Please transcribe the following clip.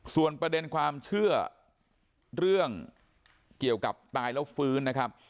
ส่วนประเด็นความเชื่อเรื่องเกี่ยวกับตายแล้วฟื้นนะครับ